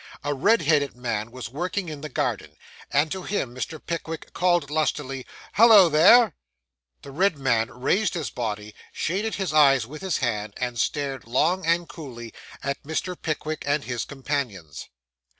A red headed man was working in the garden; and to him Mr. Pickwick called lustily, 'Hollo there!' The red headed man raised his body, shaded his eyes with his hand, and stared, long and coolly, at Mr. Pickwick and his companions.